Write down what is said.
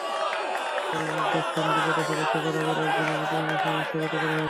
এরই মধ্যে সিন্ধু প্রদেশের একটি কারাগারের একজনের মৃত্যুদণ্ড সাময়িক স্থগিত করা হয়েছে।